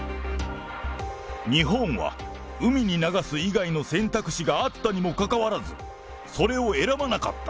日本は海に流す以外の選択肢があったにもかかわらず、それを選ばなかった。